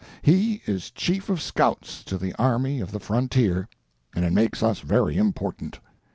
He is Chief of Scouts to the Army of the Frontier, and it makes us very important.